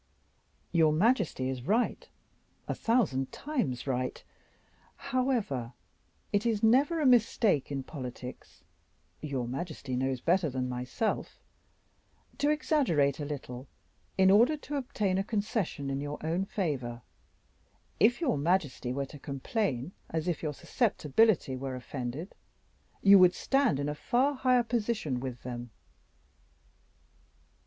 "Your majesty is right, a thousand times right. However, it is never a mistake in politics, your majesty knows better than myself, to exaggerate a little in order to obtain a concession in your own favor. If your majesty were to complain as if your susceptibility were offended, you would stand in a far higher position with them."